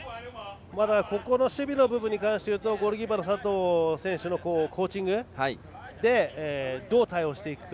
まだ守備の部分に関して言うとゴールキーパーの佐藤選手のコーチングでどう対応していくか。